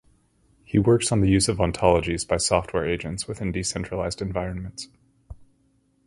He works on the use of ontologies by Software Agents within decentralised environments.